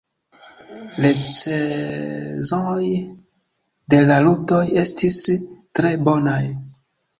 Recenzoj de la ludoj estis tre bonaj.